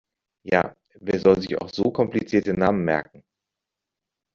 Ja, wer soll sich auch so komplizierte Namen merken!